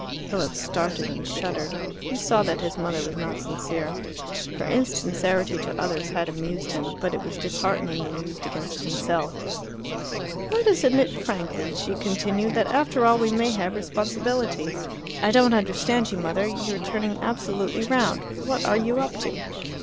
Philip started and shuddered. He saw that his mother was not sincere. Her insincerity to others had amused him, but it was disheartening when used against himself. "Let us admit frankly," she continued, "that after all we may have responsibilities." "I don't understand you, Mother. You are turning absolutely round. What are you up to?"